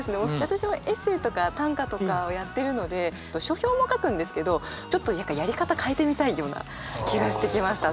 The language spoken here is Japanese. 私はエッセーとか短歌とかをやってるので書評も書くんですけどちょっとやり方変えてみたいような気がしてきました。